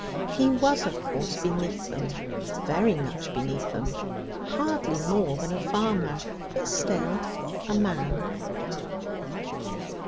He was, of course, beneath them, very much beneath them hardly more than a farmer, but still a man.